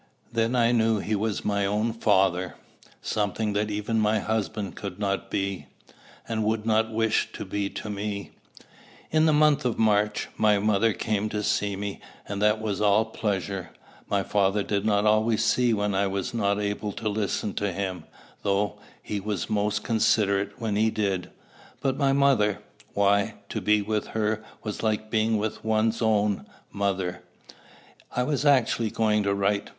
Then I knew he was my own father, something that even my husband could not be, and would not wish to be to me. In the month of March, my mother came to see me; and that was all pleasure. My father did not always see when I was not able to listen to him, though he was most considerate when he did; but my mother why, to be with her was like being with one's own mother, I was actually going to write.